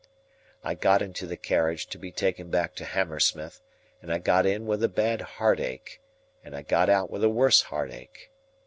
I got into the carriage to be taken back to Hammersmith, and I got in with a bad heart ache, and I got out with a worse heart ache.